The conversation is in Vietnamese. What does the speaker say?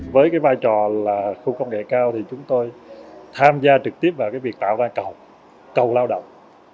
với vai trò là khu công nghệ cao thì chúng tôi tham gia trực tiếp vào việc tạo ra cầu cầu lao động